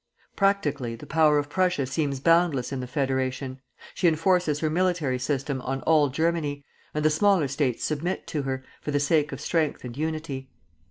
Practically the power of Prussia seems boundless in the federation; she enforces her military system on all Germany, and the smaller States submit to her, for the sake of strength and unity.